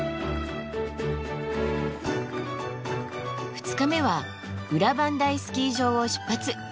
２日目は裏磐梯スキー場を出発。